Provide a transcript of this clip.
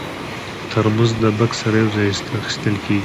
ترموز د بکس سره یو ځای اخیستل کېږي.